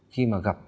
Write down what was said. khi mà gặp